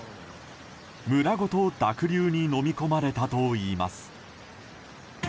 村ごと濁流にのみ込まれたといいます。